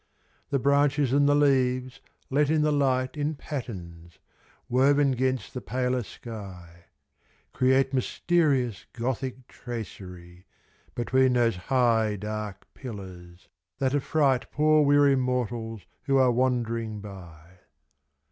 The branches and the leaves let in the Light In patterns, woven 'gainst the paler sky — Create mysterious Gothic tra* Between those high dark pillars, — that affright Poor weary mortals who are wand 'ring by.